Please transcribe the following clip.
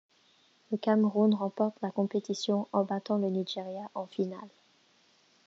Le Cameroun remporte la compétition en battant le Nigeria en finale.